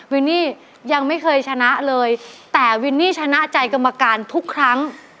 วินนี่ยังไม่เคยชนะเลยแต่วินนี่ชนะใจกรรมการทุกครั้ง